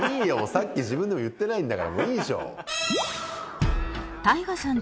さっき自分でも言ってないんだからいいでしょ。